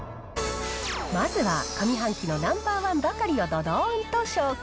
まずは、上半期のナンバー１ばかりをどどーんと紹介。